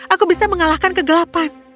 aku bisa mengalahkan kegelapan